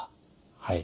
はい。